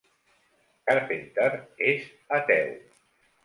Carpenter és ateu.